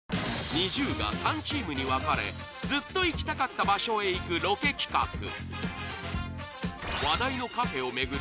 ＮｉｚｉＵが３チームに分かれずっと行きたかった場所へ行くロケ企画話題のカフェを巡り